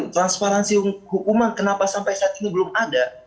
transparansi hukuman kenapa sampai saat ini belum ada